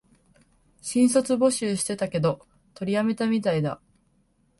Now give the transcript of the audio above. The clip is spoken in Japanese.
新卒募集してたけど、取りやめたみたいだ